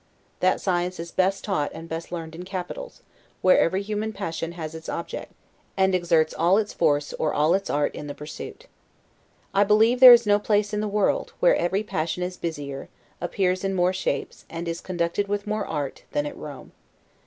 That science is best taught and best learned in capitals, where every human passion has its object, and exerts all its force or all its art in the pursuit. I believe there is no place in the world, where every passion is busier, appears in more shapes, and is conducted with more art, than at Rome.